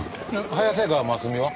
早瀬川真澄は？